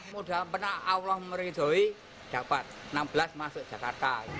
mudah mudahan allah merizoi dapat enam belas masuk jakarta